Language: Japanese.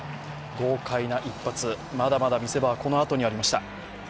豪快な一発、まだまだ見せ場はこのあとにありました。